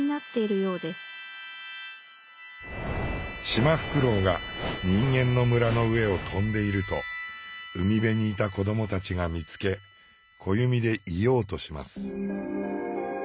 シマフクロウが人間の村の上を飛んでいると海辺にいた子どもたちが見つけ小弓で射ようとします。